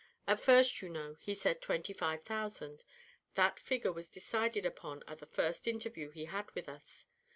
At first you know he said twenty five thousand; that figure was decided upon at the first interview he had with us.